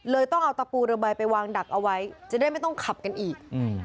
ต้องเอาตะปูเรือใบไปวางดักเอาไว้จะได้ไม่ต้องขับกันอีก